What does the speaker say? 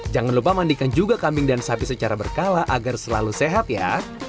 jangan lupa mandikan juga kambing dan sapi secara berkala agar selalu sehat ya